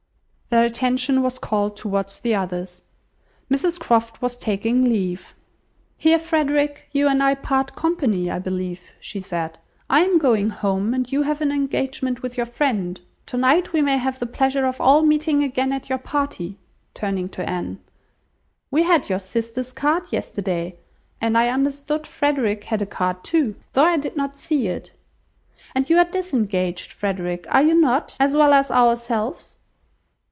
Their attention was called towards the others. Mrs Croft was taking leave. "Here, Frederick, you and I part company, I believe," said she. "I am going home, and you have an engagement with your friend. To night we may have the pleasure of all meeting again at your party," (turning to Anne.) "We had your sister's card yesterday, and I understood Frederick had a card too, though I did not see it; and you are disengaged, Frederick, are you not, as well as ourselves?"